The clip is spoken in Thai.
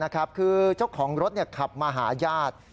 คือเจ้าของรถขับมาหาญาติ